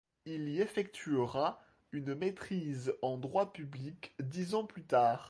Il y effectuera une maîtrise en droit public dix ans plus tard.